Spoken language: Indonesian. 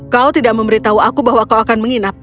kau tidak memberitahu aku bahwa kau akan menginap